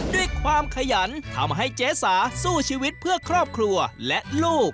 ด้วยความขยันทำให้เจ๊สาสู้ชีวิตเพื่อครอบครัวและลูก